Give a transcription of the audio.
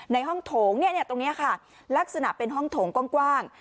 ในห้องโถงตรงนี้ค่ะลักษณะเป็นห้องโถงกว้าง